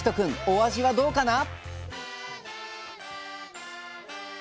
お味はどうかな？